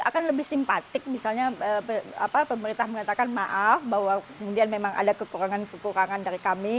akan lebih simpatik misalnya pemerintah mengatakan maaf bahwa kemudian memang ada kekurangan kekurangan dari kami